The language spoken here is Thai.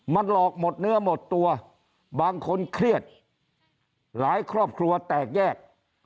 มันหลอกหมดเนื้อหมดตัวบางคนเครียดหลายครอบครัวแตกแยก